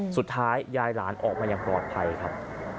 สุดท้ายยายหลานออกมาอย่างปลอดภัยครับ